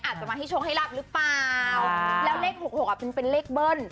อาจจะมาให้โชคให้รับหรือเปล่าแล้วเลข๖๖อ่ะเป็นเลขเบิ้ล